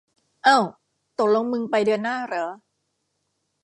เอ้า ตกลงมึงไปเดือนหน้าเหรอ